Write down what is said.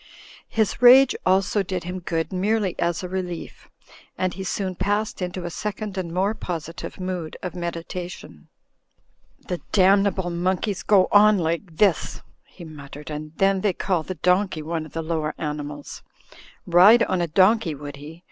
His rage also did him good merely as a relief, and he soon passed into a second and more positive mood of meditation. "The damnable monkeys go on like this," he mut tered, "and then they call a donkey one of the Lower Animals. Ride on a donkey would he